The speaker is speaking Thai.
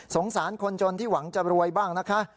สารคนจนที่หวังจะรวยบ้างนะคะ